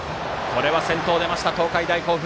先頭が出ました東海大甲府。